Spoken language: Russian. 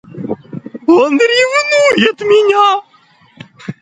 Он ревнует меня!